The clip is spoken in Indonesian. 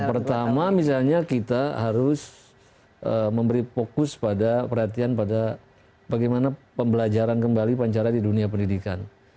pertama misalnya kita harus memberi fokus pada perhatian pada bagaimana pembelajaran kembali pancara di dunia pendidikan